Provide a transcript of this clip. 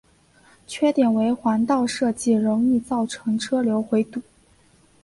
缺点为环道设计容易造成车流回堵。